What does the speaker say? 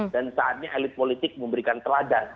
dan saatnya elit politik memberikan teladan